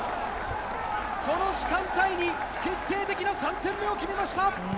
この時間帯に決定的な３点目を決めました！